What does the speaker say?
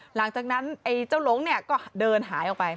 หลังจากนั้นไอ้เจ้าหลงเนี่ยก็เดินหายออกไป